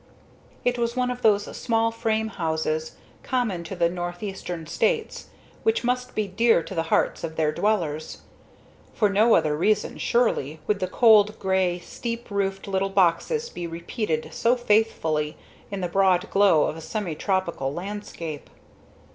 It was one of those small frame houses common to the northeastern states, which must be dear to the hearts of their dwellers. For no other reason, surely, would the cold grey steep roofed little boxes be repeated so faithfully in the broad glow of a semi tropical landscape.